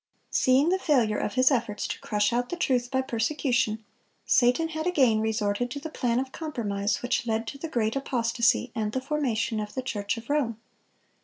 Seeing the failure of his efforts to crush out the truth by persecution, Satan had again resorted to the plan of compromise which led to the great apostasy and the formation of the Church of Rome.